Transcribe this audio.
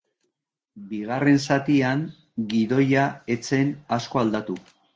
Bigarren zatian, gidoia ez zen asko aldatu.